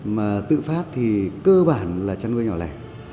mà tự phát thì cơ bản là chăn nuôi nhỏ lẻ